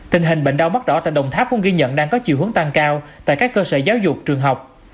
tình hình bệnh đau mắt đỏ tại đồng tháp cũng ghi nhận đang có chiều hướng tăng cao tại các cơ sở giáo dục trường học